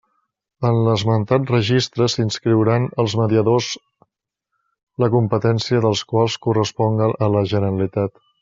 En l'esmentat registre s'inscriuran els mediadors la competència dels quals corresponga a la Generalitat.